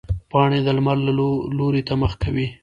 پاڼې د لمر لوري ته مخ کوي